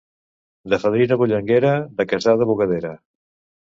De fadrina bullanguera, de casada bugadera.